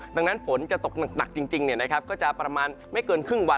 ดังนั้นฝนจะตกหนักจริงก็จะประมาณไม่เกินครึ่งวัน